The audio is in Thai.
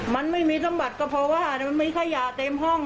มันไม่มีสมบัติก็เพราะว่ามันมีขยะเต็มห้อง